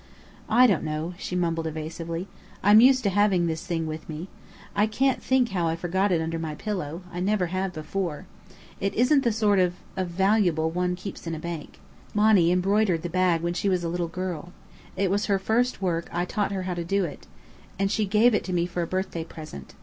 "I don't know," she mumbled evasively. "I'm used to having this thing with me. I can't think how I forgot it under my pillow. I never have before. It isn't the sort of of valuable one keeps in a bank. Monny embroidered the bag when she was a little girl. It was her first work. I taught her how to do it, and she gave it to me for a birthday present.